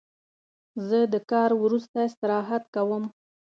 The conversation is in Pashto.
زه د کار وروسته استراحت کوم.